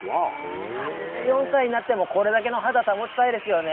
８４歳になってもこれだけの肌を保ちたいですよね。